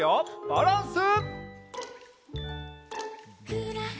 バランス。